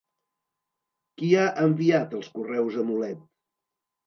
Qui ha enviat els correus a Mulet?